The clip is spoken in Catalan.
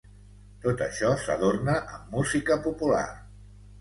Tot això s'adorna amb música popular.